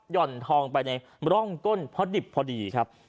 ่อนทองไปในร่องก้นเพราะดิบพอดีครับ